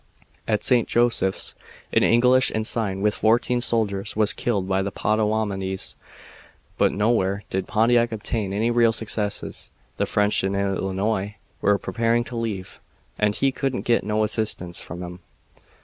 "At St. Joseph's an English ensign with fourteen soldiers was killed by the Pottawatomies, but nowhere did Pontiac obtain any real successes. The French in Illinois were preparing to leave, and he couldn't git no assistance from them.